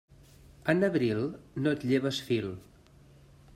En abril no et lleves fil.